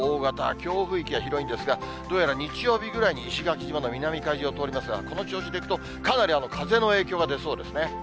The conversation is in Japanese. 強風域は広いんですが、どうやら日曜日ぐらいに石垣島の南の海上を通りますが、この調子でいくと、かなり風の影響が出そうですね。